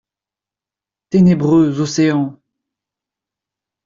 Ténébreux océans !